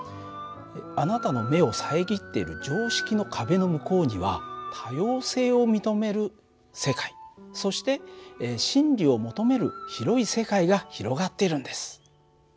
あなたの目を遮っている常識の壁の向こうには多様性を認める世界そして真理を求める広い世界が広がっているんです。